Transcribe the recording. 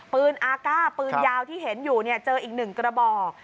อาก้าปืนยาวที่เห็นอยู่เจออีก๑กระบอก